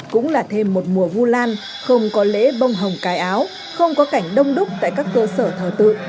cũng là thêm một mùa vu lan không có lễ bông hồng cài áo không có cảnh đông đúc tại các cơ sở thờ tự